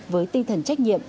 với tinh thần trách nhiệm